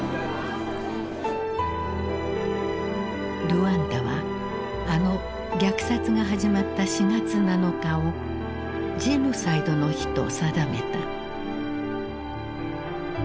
ルワンダはあの虐殺が始まった４月７日を「ジェノサイドの日」と定めた。